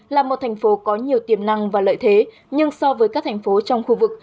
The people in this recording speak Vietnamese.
là một thành phố có nhiều tiềm năng và lợi thế nhưng so với các thành phố trong khu vực